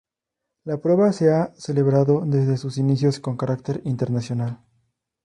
La prueba se ha celebrado desde sus inicios con carácter internacional.